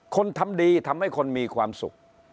คนทำดีทำให้คนมีความสุข